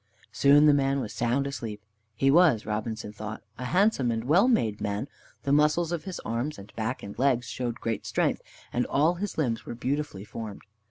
Soon the man was sound asleep. He was, Robinson thought, a handsome and well made man; the muscles of his arms and back and legs showed great strength, and all his limbs were beautifully formed.